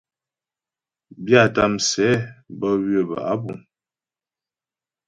Byâta msɛ bə́ ywə̌ bə́ á puŋ.